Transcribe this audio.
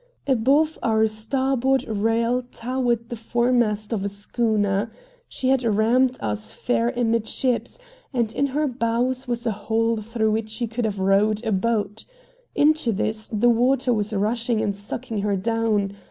Above our starboard rail towered the foremast of a schooner. She had rammed us fair amidships, and in her bows was a hole through which you could have rowed a boat. Into this the water was rushing and sucking her down.